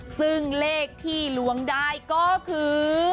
ซึ่งเลขที่ล้วงได้ก็คือ